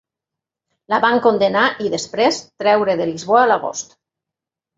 La van condemnar i, després, treure de Lisboa a l'agost.